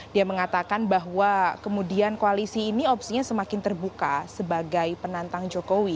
dia mengatakan bahwa kemudian koalisi ini opsinya semakin terbuka sebagai penantang jokowi